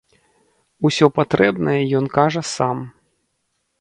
Усё патрэбнае ён кажа сам.